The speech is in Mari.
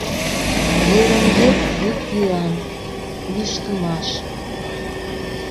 Йырым-йыр йӱк-йӱан, лӱшкымаш...